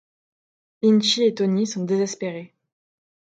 Lintschi et Toni sont désespérés.